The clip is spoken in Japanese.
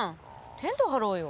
テント張ろうよ。